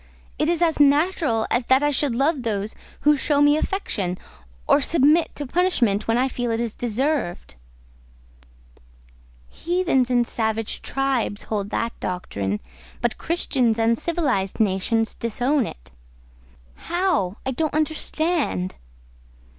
It is as natural as that I should love those who show me affection, or submit to punishment when I feel it is deserved." "Heathens and savage tribes hold that doctrine, but Christians and civilised nations disown it." "How? I don't understand."